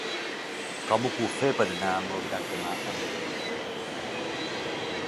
Com ho puc fer per anar a Malgrat de Mar amb tren?